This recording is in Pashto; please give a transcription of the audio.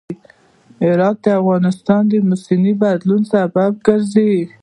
هرات د افغانستان د موسم د بدلون سبب کېږي.